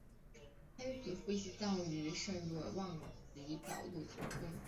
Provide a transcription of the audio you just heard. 他与祖父一起葬于圣若望及保禄堂中。